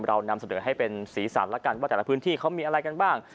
เรานำเสนอให้เป็นสีสันแล้วกันว่าแต่ละพื้นที่เขามีอะไรกันบ้าง